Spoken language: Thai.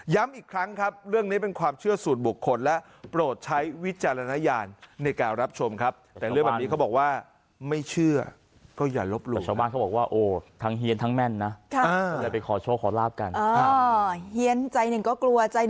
ย้ำอีกครั้งครับเรื่องนี้เป็นความเชื่อสูตรบก